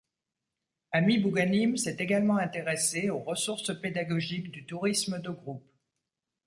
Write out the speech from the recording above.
Ami Bouganim s’est également intéressé aux ressources pédagogiques du tourisme de groupe.